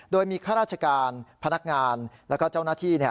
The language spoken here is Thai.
โดยมีข้าราชการพนักงานแล้วก็เจ้าหน้าที่